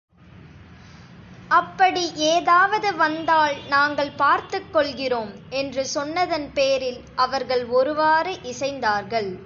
அப்படி ஏதாவது வந்தால் நாங்கள் பார்த்துக் கொள்ளுகிறோம்! என்று சொன்னதன் பேரில், அவர்கள் ஒருவாறு இசைந்தார்கள்.